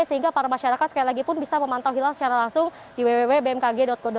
sehingga para masyarakat sekali lagi pun bisa memantau hilal secara langsung di www bmkg co